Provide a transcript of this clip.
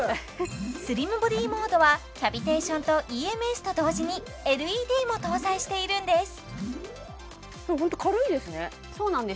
スリムボディモードはキャビテーションとＥＭＳと同時にＬＥＤも搭載しているんですそうなんです